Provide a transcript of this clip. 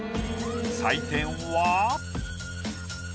採点は。